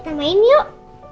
kita main yuk